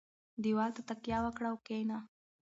دېوال ته تکیه وکړه او کښېنه.